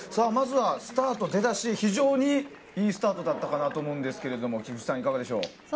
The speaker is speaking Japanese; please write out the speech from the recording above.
まずは、スタート出だし非常にいいスタートだったかと思うんですが菊池さん、いかがでしょう？